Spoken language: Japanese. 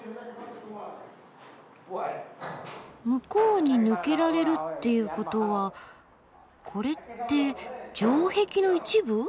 向こうに抜けられるっていうことはこれって城壁の一部？